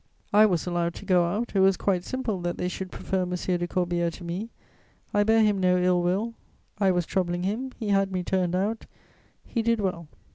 I was allowed to go out: it was quite simple that they should prefer M. de Corbière to me. I bear him no ill will: I was troubling him, he had me turned out; he did well.